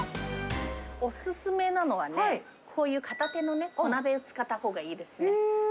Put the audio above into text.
お勧めなのはね、こういう片手のね小鍋を使ったほうがいいですね。